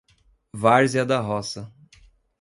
Várzea da Roça